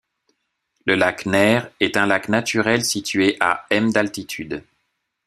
Le lac Nère est un lac naturel situé à m d'altitude.